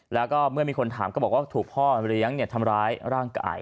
แล้วก็เมื่อมีคนถามก็บอกว่าถูกพ่อเลี้ยงทำร้ายร่างกาย